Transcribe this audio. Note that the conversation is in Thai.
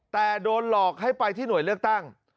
แต่โดนหลอกให้ไปที่หน่วยเลือกตั้ง